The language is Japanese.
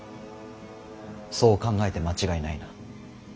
そう考えて間違いないな。